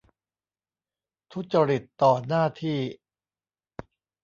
ทุจริตต่อหน้าที่